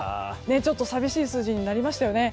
ちょっと寂しい数字になりましたよね。